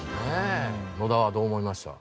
野田はどう思いました？